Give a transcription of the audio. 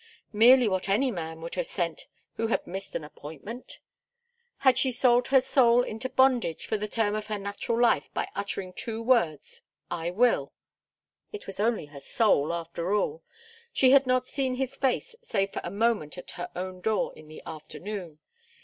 Merely what any man would have sent who had missed an appointment? Had she sold her soul into bondage for the term of her natural life by uttering two words 'I will'? It was only her soul, after all. She had not seen his face save for a moment at her own door in the afternoon.